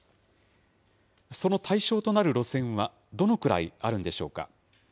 その対象となる路線はどのくらいあるんでしょうか。